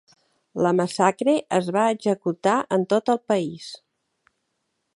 La massacre es va executar en tot el país.